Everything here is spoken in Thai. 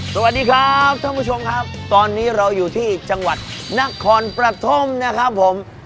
สวัสดีครับท่านผู้ชมครับตอนนี้เราอยู่ที่จังหวัดนครปฐมนะครับผม